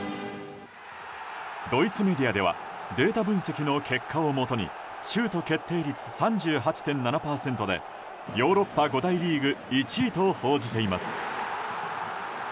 ドイツメディアではデータ分析の結果をもとにシュート決定率３８．７％でヨーロッパ５大リーグ１位と報じています。